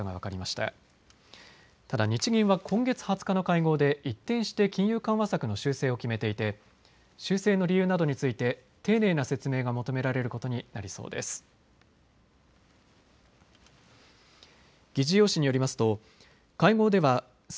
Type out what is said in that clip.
ただ日銀は今月２０日の会合で一転して金融緩和策の修正を決めていて修正の理由などについて丁寧な説明が求められることになりそうです。